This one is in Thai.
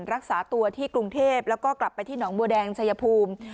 รักษาตัวที่กรุงเทพแล้วก็กลับไปที่หนองบัวแดงชายภูมิ